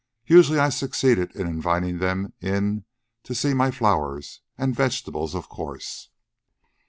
Usually I succeeded in inviting them in to see my flowers... and vegetables, of course.